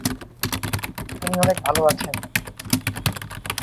তিনি তার উদ্ভাবনী শক্তির পূর্ন বিকাশ সাধন করেন।